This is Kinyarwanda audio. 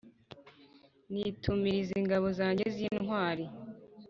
nitumiriza ingabo zanjye z’intwari,